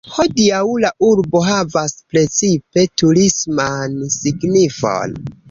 Hodiaŭ la urbo havas precipe turisman signifon.